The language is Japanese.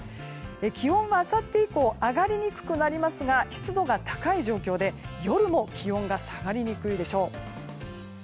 気温はあさって以降上がりにくくなりますが湿度が高い状況で夜も気温が下がりにくいでしょう。